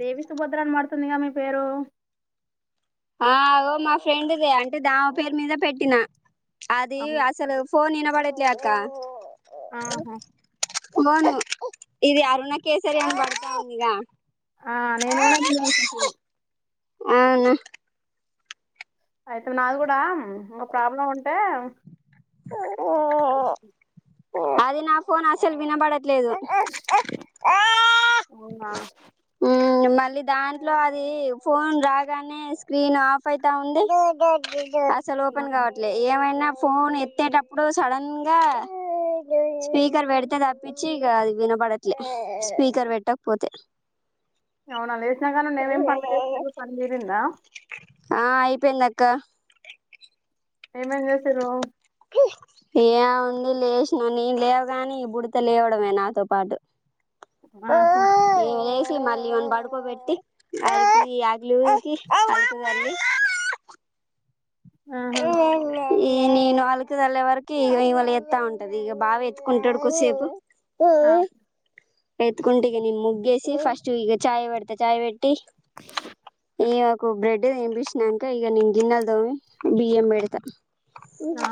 దేవి సుభద్ర అని పడుతుందిగా మీ పేరు ఆగో మా ఫ్రెండ్దే అంటే దామ పేరు మీద పెట్టినా అది అవును అసలు ఫోన్ వినబడట్లే అక్క ఆహా ఫోన్ ఇది అరుణ కేసరి అని బర్తావుంది గా ఆ నేను గుణా [unintelligible] అవును అయితే నాది కూడా ఇంకొ ప్రాబ్లం ఉంటే ఓ ఇ అది నా ఫోన్ అసలు వినబడట్లేదు అవునా ఉమ్ మళ్ళీ దాంట్లో అది ఫోన్ రాగానే స్క్రీన్ ఆఫ్ అయితా ఉంది అసలు ఆ, ఓపెన్ కావట్లే ఏమైనా ఫోన్ ఎత్తేటప్పుడు సడన్ గా స్పీకర్ పెడితే తప్పిించి ఇక అది వినబడట్లే స్పీకర్ పెట్టకపోతే అవున లేసిన కానుండి ఏమేమ్ పనులు చేసిండ్రు పనిదీరింద ఆ అయిపోందక్క ఏమేం చేసిరు ఏ ఉంది లేసినా నేను లేవుగాని ఈ బుడత లేవడమే నాతో పాటు ఆహా మళ్ళి వాన్ని బడుకోబెట్టి అలికి వాకిలీ ఊడ్చి ఆహా, ఈ నేను అల్కిదల్లే వరకి ఈమె లేత్తా ఉంటది ఇక బావ ఎత్తుకుంటాడు కూసేపు ఆ, ఎత్తుకుంటే ఇగ నేను ముగ్గేసి ఫస్ట్ ఇగ చాయ పెడత చాయ్ పెట్టి ఇమె కు బ్రెడ్ తినిపించినంక ఇక నేను గిన్నెలు దోమి బియ్యం బేడతా ఆ,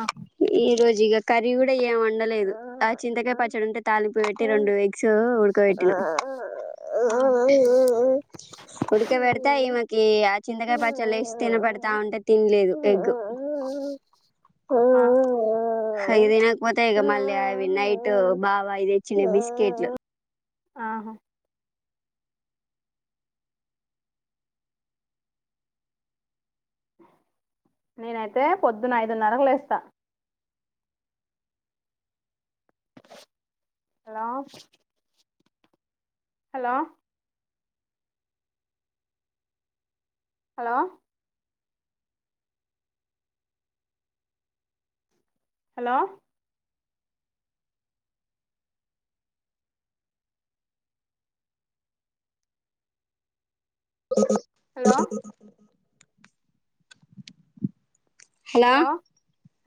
ఈ రోజు ఇగ కర్రీ కూడా ఏం వండలేదు ఆ చింతకాయ పచ్చడి ఉంటే తాలింపు పెట్టి రెండు ఎగ్స్ ఊడుకపెట్టిన ఆ ఉడిక పెడితే ఈ మకి ఆ చింతకాయ పచ్చల్లో వేసి తినబడతా ఉంటే తినలేదు ఎగ్ ఆ అయి తినకపోతే ఇక మళ్ళీ అవి నైట్ బావ అవి తెచ్చిండు బిస్కెట్లు ఆహ నేనైతే పొద్దున్న ఐదున్నరకు లేస్తా hello hello hello hello hello hello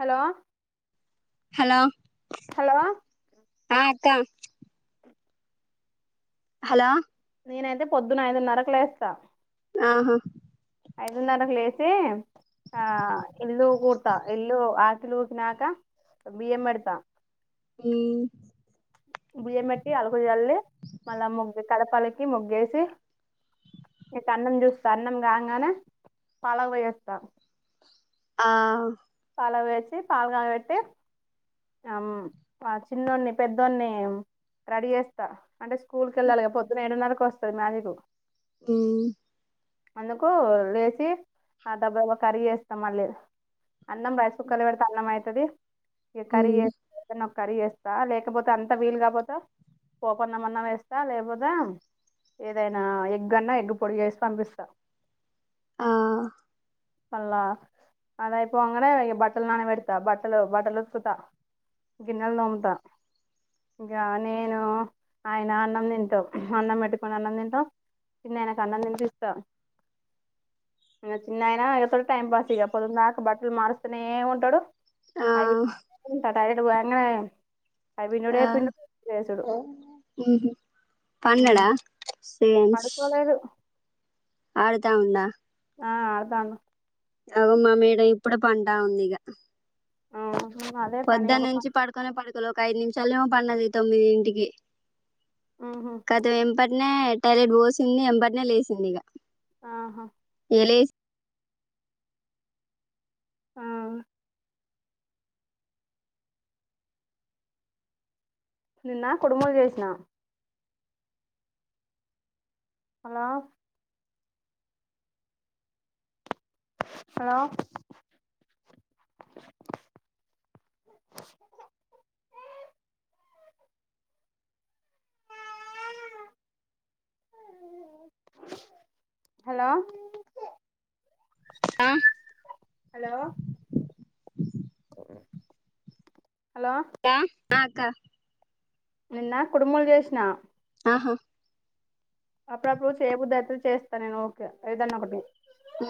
hello hello hello ఆ అక్క హలో నేనైతే పొద్దున్న ఐదున్నరకు లేస్తా ఆహా ఐదున్నరకు లేసి ఆ ఇల్లు కూర్తా ఇల్లు ఆకిలి ఊడ్చినాక బియ్యం పెడతా ఈ బియ్యం పెట్టి అలుగుచల్లి మళ్ళా ముగ్గు గడపలికి ముగ్గేసి ఇటు అన్నం చూస్తా అన్నం కాగానే పాలగి పోయ్యొస్తా ఆ పలవి వచ్చి పాలగాయ పెట్టి ఆ ఆ చిన్నోడిని పెద్దోని రెడీ చేస్తా అంటే స్కూల్కి వెళ్ళాలిగా పొద్దున్న ఏడున్నరకి వస్తది మ్యాజిక్ ఉ అల్లకో లేసి ఆ డబ్బబ్బ కర్రీ వేస్తా మా లేదా అన్నం రైస్ కుక్కర్ లో పెడతే అన్నం అయితది ఇగ కర్రీ ఉమ్ వేసు ఏకానమ్ కర్రీ వేస్తా లేకపోతే అంతా వీలు కాకపోతే పోపుఅన్నం అన్నా వేస్తా లేపోతే ఏదైనా ఎగ్ అన్నా ఎగ్గు పొడి చేసి పంపిస్తా ఆ పల్ల అది అయ్యి పోంగనే బట్టలు నానబేడుతా బట్టలు బట్టలు ఊతుకుతా గిన్నెలు తోముత ఇగ నేను ఆయన అన్నం తింటాం అన్నం పెట్టుకుని అన్నం తింటాం చిన్నాయనకు అన్నం తినిపిస్తామ్ అ చిన్నాయిన్ తా అతలు టైం పాస్ ఇగ పొద్దున్ దాక బట్టలు మారుస్తనే ఉంటాడు ఆ అవి ఉంటాత్ సైడు వంగాఅయే ఆ ఉహు మ్ పన్నడా ఫెంస్ పడుకోలేదు ఆడుతా ఉందా ఆ ఆడుతాండు అగో మా మేడం ఇప్పుడే పంట ఉంది ఇక అవును పొద్దున్ నుంచి పడుకొనే పడుకోలేవు ఒక ఐదు నిమిషాల ఏమో పన్నది తొమ్మిది ఇంటికి మ్ హు కతం వెంపట్ నే టైలెట్ పోసింది ఎంబట్ నే లేసింది ఇక ఆహా ఇగ లేసు ఆ నిన్న కుడుములు చేసిన హలో హలో కా హలో ఆ హలో హలో అక్క ఆ అక్క నిన్న కుడుములు చేసిన ఆహా అప్పుడప్పుడు చెయ బుద్ధి అయితది చేస్తా నేను ఓకే ఏదన్నా ఒకటి ఉ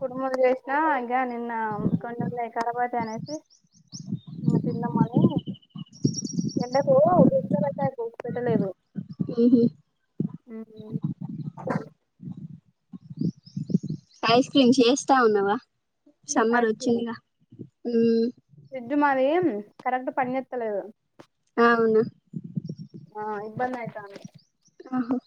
కుడుములు చేసినా ఇంకా నిన్న కొన్నిఉల్లే కరాబతన్ అనేసి ఆ తిందమని ఎండకు పో పెట్టయి కు పెట్టలేదు ఊహూ ఉహూ ఐస్ క్రీమ్ చేస్తా ఉన్నావా సమ్మర్ ఐస్ క్రీమ్ వచ్చిందిగా ఉం ఫ్రిడ్జ్ మాది కరెక్ట్ పని జెత్తలేదు అవునా ఆ ఇబ్బంది అయితంది ఆహో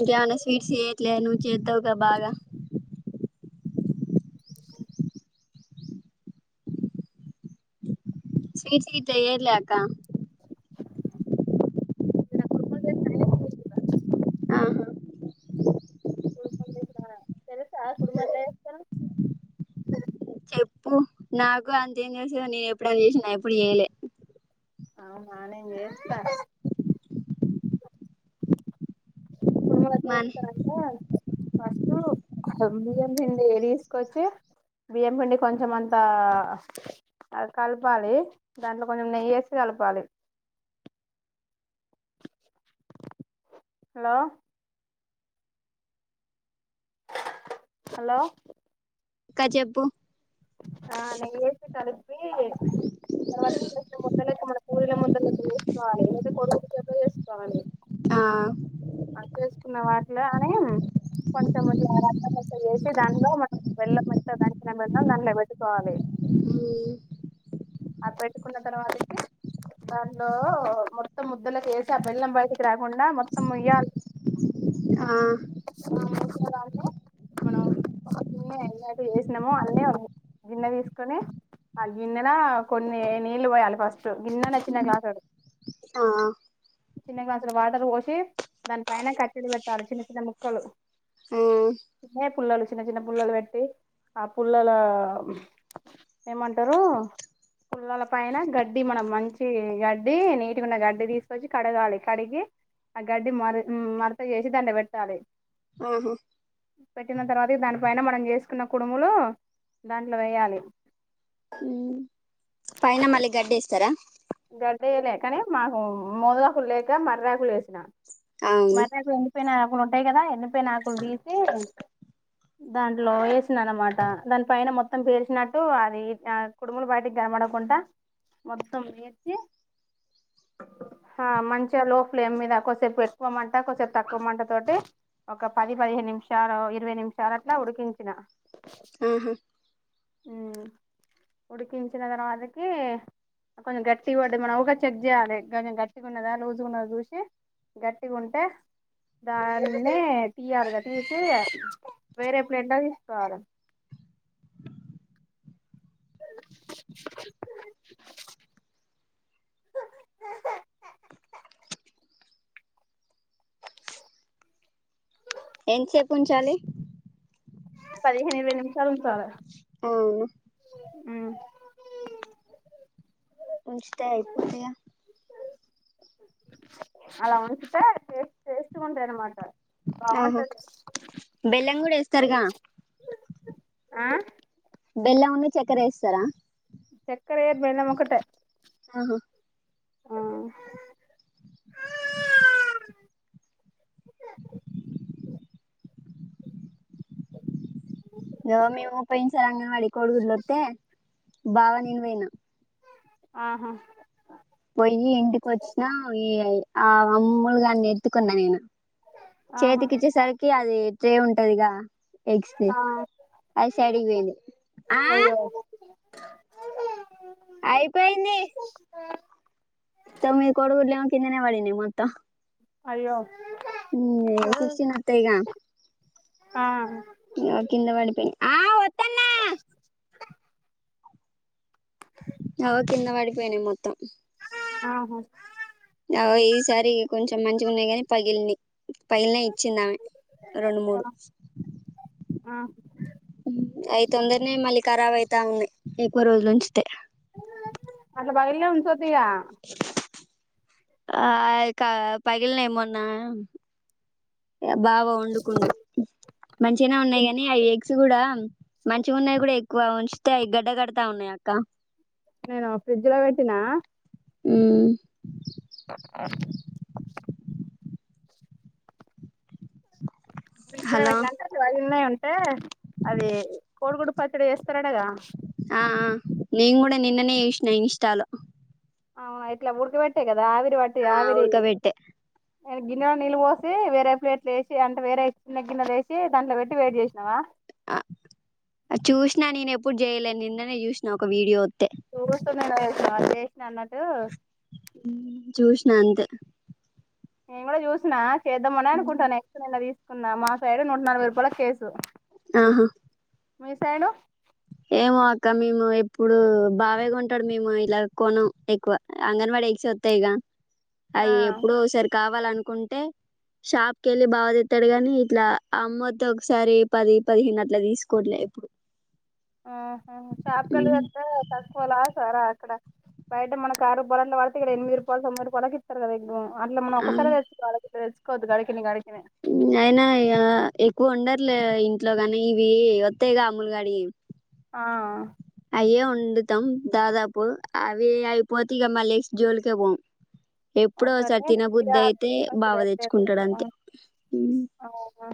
ఇంకా ఏమన్నా స్వీట్స్ చేయట్లే నువ్వు చేద్దావు క బాగా హు స్వీట్స్ అయితే ఏయారు లే అక్క నిన్న కుడుములు చేసిన అయ్యింది చుతువురా ఆహా కుడుమ్ ఏంది లేంది కావాలి తెలుసా కుడుములు ఎట్లా చేస్తారో చెప్పు నాకు అంతే ఏం తెలుసు నేను ఎప్పుడన్న చేసిన్నా ఎప్పుడు చేయలే అవున నేను చెత్త కుడుములు ఎట్లా మన చేస్తారంట ఫస్ట్ బియం పిండి ఏ తీసుకొచ్చి బియ్యం పిండి కొంచెం అంతా అది కలపాలి దాంట్లో కొంచెం నెయ్యేసి కలపాలి హలో హలో ఇక్క చెప్పు ఆ నెయ్యి ఏసీ తడిపి తర్వాత చిన్నట్ల ముద్దలతే మన కూల ముద్ద చేసుకోవాలి లేదా కొడుకు చేసుకోవాలి ఆ చేసుకున్న వాటిలో అని కొంచెం రకరలు దానిలో మనం వెళ్ల మత్త దానికిన వెదాం దానిలో పెట్టుకోవాలి మ్మ్ అ పెట్టుకున్న తర్వాతకి దానిలో మొత్తం ముద్దలకి వేసి ఆ బెల్లం బయటకి రాకుండా మొత్తం ముయ్యాలి [inaudible] ఆ మనం ఎ చేసినామో అన్నీ గిన్నె తీసుకొని ఆ గిన్నెన కొన్ని నీళ్లు పోయాలి ఫస్ట్ గిన్నె న చిన్న మ్మ్ గ్లాసుడు ఆ చిన్న గ్లాసులు వాటర్ పోసి దాని పైన కట్టడి పెట్టాలి చిన్న చిన్న ముక్కలు ఆ చిన్న పుల్లలు చిన్న చిన్న పుల్లలు పెట్టి ఆ పుల్లల ఏమంటారు పుల్లాల పైన గడ్డి మనం మంచి గడ్డి నీటి ఉన్న గడ్డి తీసుకొచ్చి కడగాలి కడిగి ఆ గడ్డి మర మరత చేసి దండ పెట్టాలి ఆహా పెట్టిన తర్వాత దానిపైన మనం చేసుకున్న కుడుములు దాంట్లో వేయాలి ఉ పైన మళ్ళీ గడ్డి ఎస్తారా గడ్డయ్యలే కానీ మాకు మోదుగాకులు లేక మర్రాకులు వేసిన అవును మరి నాకు ఎన్నిపోయినకులు ఉంటాయి కదా ఎన్నిపోయిన ఆకులు తీసి దాంట్లో వేసిన అనమాట దాని పైన మొత్తం పేలిచినట్టు అది కుడుములు బయటికి మకుంటా మొత్త ఇచి ఆ మంచిగా లో ఫ్లేమ్ మీద కొసేపు ఎక్కువ మంట కొద్సేపు తక్కువ మంట తోటి ఒక పది పదిహేను నిమిషాలు ఇరవై నిమిషాలు అట్లా ఉడికించిన ఆహా ఉడికించిన తర్వాతకి కొంచెం గట్ గట్టి పడదు మనం గా చెక్ చేయాలించం గట్టిగా ఉన్నదా లూజ్ ఉన్నది చూసి గట్టిగా ఉంటే దాని తీయాలిగాద తీసి వేరే ప్లేంలో తీసుకోవాలి [inaudible] ఎంతసేపు ఉంచాలి పదిహని నిమిషాలు చ అవు ఆ ఉంచటా అయిపోందయా అలా ఉంచి చేస్టునమాట ఆహా బాగుంటది బెల్లం కూడా ఏస్తారుగా ఆ బెల్ ఉన్ను చక్కర ఇేస్తారా చక్కర ఏయర్ బేల్లమోకట ఆహో ఆ ఆ క దు మేము పోయినసారి అంగన్వాడి గుడ్లు వస్తే బావ నేను పోయినం ఆహా పోయి ఇంటికి వచ్చిన ఈ ఆ అమ్ములుగాన్ని ఎత్తుకున్న నేను ఆహా చేతికి ఇచ్చే సరికి అది ట్రే ఉండే ఉంటది కదా ట్రే ఆ అది సడికి పోయింది అయ్యో అయిపోయింది తోమీది కోడిగుడ్లు కిందనే పడిని మొత్తం అయ్యో సిక్స్టీన్ ఆ అ కింద పడిపోయినే బోలో సాంగ్ సగం కింద పడిపోయినాయి మొత్తం ఆహా ఈసారి కొంచెం మంచిగా ఉన్నాయి గాని పగిలినయ్ పగిలినయ్ ఇచ్చిందామె రెండు ఆ మూడు ఆ అవి తొందరగా మళ్ళీ ఖరాబ్ అయితే అన్నయ్య ఎక్కువ రోజుల ఉంచితే అట్ల పగిలిన ఉంచాదిగా ఆ ఇక పగిలినయ్ మొన్న బావ వండుకుండు మంచిగానే ఉన్నాయి కాగానీ అవి ఎగ్స్ కూడా మంచిగా ఉన్నాయి కూడా ఎక్కువ ఉంచితే గడ్డ కడతా ఉన్నాయి అక్క నేను ఫ్రిడ్జ్ లో పెట్టినా ఉ ఆ ఆ ఫ్రిజ్లో హలో పెట్టినాక పగిలినయ్ అంటే అవి కోడిగుడ్డు పచ్చడి చేస్తారంట కదా ఆ ఆ నేను కూడా నిన్ననే చూసిన ఇన్స్టాల్ అవునా ఇట్లా ఉ ఊడకబెట్టే కదా ఆవిరి వాటి ఆ ఆవిరి ఉడకబెట్టే గిన్నెలో నీళ్ళు పోసి వేరే ప్లేట్లు వేసి అంటే వేరే చిన్న గిన్నెలు వేసి దాంట్లో పెట్టి వెయిట్ చేసినావా ఆ చూసిన నేను ఎప్పుడు చేయలేను నిన్ననే చూసిన ఒక వీడియో వత్తే చూస్తున్నాను చేసిన అన్నట్టు చూసిన అంతే నేను కూడా చూసినా చేద్దామనే అనుకుంటాను ఎగ్స్ నిన్న తీసుకున్న తీసుకున్న మా సైడ్ నూట నలభై రూపాయల కేసు ఆహా మీ సైడు ఏమో అక్క మేము ఎప్పుడు బావే కొంటాడు మేము ఇలా కోనం ఎక్కువ అంగన్వాడి ఎగ్స్ వస్తాయి ఇగ ఆ ఎప్పుడో ఒక్కసారి కావాలనుకుంటే షాప్ కెళ్ళి బావ తెత్తాడు గాని ఇట్లా అమ్మద్ద ఒకసారి పది పదిహేను అట్లా తీసుకోవట్లే ఎప్పుడు ఆ షాపు కెళ్ళి తెస్తే తక్కువ లసారా ఇక్కడ బయట మన ఆ రూపాయల పడితే ఇక్కడ ఎనిమిది రూపాయలు తొమ్మిది రూపాలకి ఇస్తారు కాదా ఎక్కువ అట్లా మనం ఆ ఒకసారి తెచ్చుకోవాలి ఓకే గడికింది గడిపిన తెచ్చుకోవద్దు అయినా ఎక్కువ ఉండరు ఇట్లే ఇంట్లో కానీ ఇవి వత్తాయిగా అమ్ములు గాడివి ఆ అయ్యే వండుతాం దాదాపు అవి అయిపోత ఇక మళ్లీ ఎక్స్ జోలికి పోము ఎప్పుడో ఒకసారి తిన బుద్ధి అయితే బావ తెచ్చుకుంటాడు అంతే ఒకసారి అవునా